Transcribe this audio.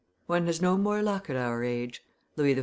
"One has no more luck at our age," Louis XIV.